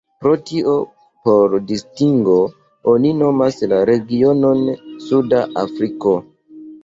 Pro tio por distingo oni nomas la regionon "Suda Afriko".